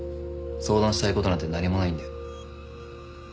相談したいことなんて何もないんで。